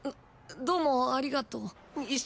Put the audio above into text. どどうもありがとう。